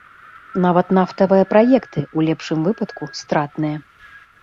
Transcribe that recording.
Нават нафтавыя праекты, у лепшым выпадку, стратныя.